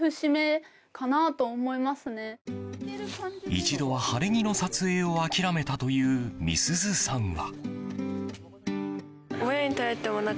一度は晴れ着の撮影を諦めたという、みすずさんは。